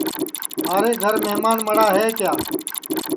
تھارے گھر مھمان مڑا ہے کیا